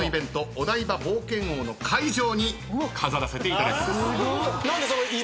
お台場冒険王の会場に飾らせていただきます。